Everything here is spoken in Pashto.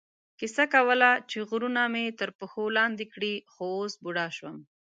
کیسه کوله چې غرونه مې تر پښو لاندې کړي، خو اوس بوډا شوم.